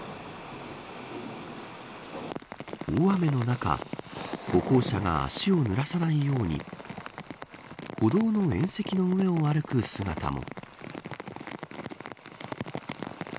大雨の中歩行者が足をぬらさないように歩道の縁石の上を歩く姿も。